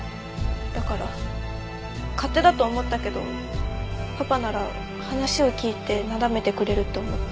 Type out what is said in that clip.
だから勝手だと思ったけどパパなら話を聞いてなだめてくれると思って。